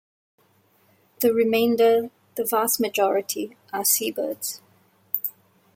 The remainder, the vast majority, are seabirds.